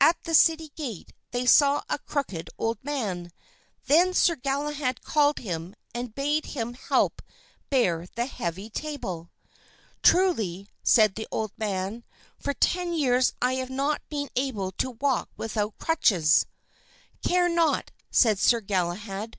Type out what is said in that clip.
At the city gate they saw a crooked old man. Then Sir Galahad called him and bade him help bear the heavy table. "Truly," said the old man, "for ten years I have not been able to walk without crutches." "Care not," said Sir Galahad.